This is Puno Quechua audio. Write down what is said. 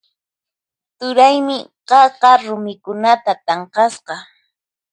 Turaymi qaqa rumikunata tanqasqa.